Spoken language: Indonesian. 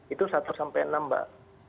itu satu sampai enam mbak